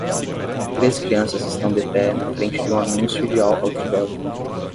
Três crianças estão de pé na frente de um anúncio de outdoor.